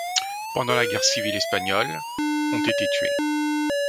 Pendant la guerre civile espagnole, ont été tués.